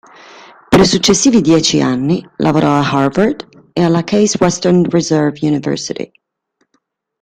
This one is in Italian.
Per i successivi dieci anni, lavorò ad Harvard e alla Case Western Reserve University.